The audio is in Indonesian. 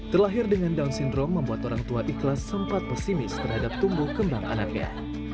terlahir dengan down syndrome membuat orang tua ikhlas sempat pesimis terhadap tumbuh kembang anaknya